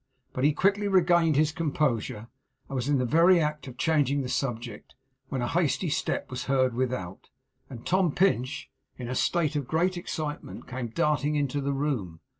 But he quickly regained his composure, and was in the very act of changing the subject, when a hasty step was heard without, and Tom Pinch, in a state of great excitement, came darting into the room.